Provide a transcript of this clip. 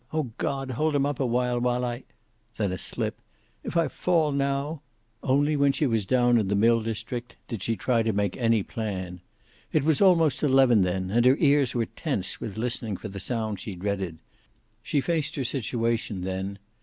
Oh, God, hold him up a while until I " then a slip. "If I fall now " Only when she was down in the mill district did she try to make any plan. It was almost eleven then, and her ears were tense with listening for the sound she dreaded. She faced her situation, then.